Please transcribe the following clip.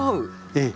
ええ。